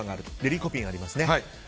リコピンもありますね。